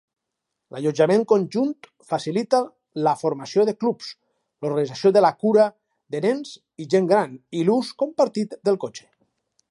L'allotjament conjunt facilita la formació de clubs, l'organització de la cura de nens i gent gran, i l'ús compartit del cotxe.